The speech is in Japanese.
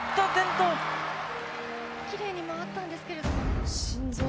あっと、きれいに回ったんですけど。